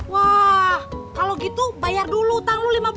wah kalau gitu bayar dulu utang lu rp lima belas